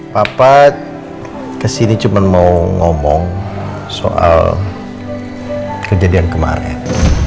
papa kesini cuma mau ngomong soal kejadian kemarin